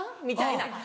みたいな。